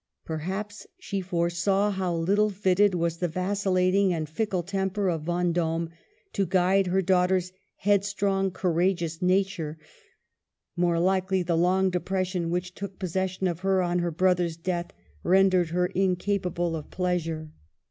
Perhaps she foresaw how little fitted was the vacillating and fickle temper of Vendome to guide her daughter's headstrong, courageous nature ; more likely the long de pression which took possession of her on her brother's death rendered her incapable of pleas ure.